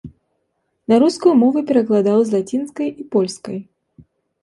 На рускую мову перакладаў з лацінскай і польскай.